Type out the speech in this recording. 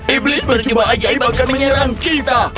iblis berjiwa ajaib akan menyerang kita